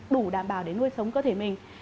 đủ đảm bảo để nuôi sống cơ thể mình